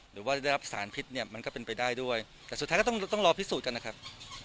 หรือว่าได้รับสารพิษเนี่ยมันก็เป็นไปได้ด้วยแต่สุดท้ายก็ต้องต้องรอพิสูจน์กันนะครับ